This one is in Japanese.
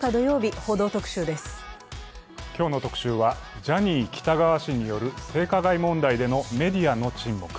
今日の特集はジャニー喜多川氏による性加害問題でのメディアの沈黙。